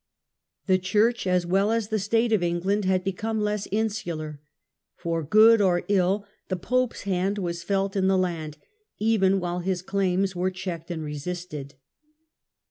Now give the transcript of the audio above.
The church as well as the state of England had become less insular. For ' good or ill the pope's hand was felt in the land even while his claims were checked and resisted.